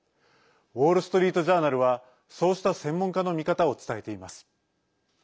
ウォール・ストリート・ジャーナルはそうした専門家の見方を伝えています。